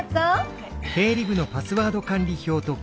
はい。